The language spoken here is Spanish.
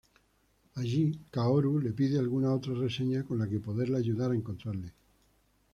Allí, Kaoru le pide alguna otra reseña con la que poderla ayudar a encontrarle.